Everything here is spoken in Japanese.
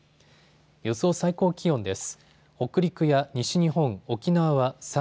予想最高気温です。